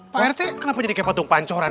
pak rt kenapa jadi kayak patung pancoran